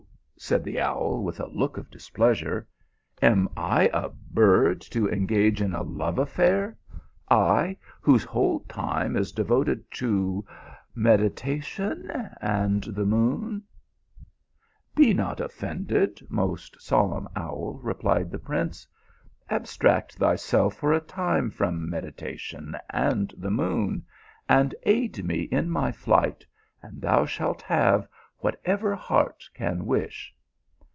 " said the owl, with a look of displeasure. "Am I a bird to engage in a love affair; I whose whole time is devoted to meditation and the moon !"" Be not offended, most solemn owl !" replied the prince. " Abstract thyself for a time from medita tion and the moon, and aid me in my flight, and thou shalt have whatever heart can wish."